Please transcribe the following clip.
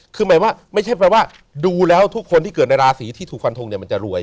คือหมายว่าไม่ใช่แปลว่าดูแล้วทุกคนที่เกิดในราศีที่ถูกฟันทงเนี่ยมันจะรวย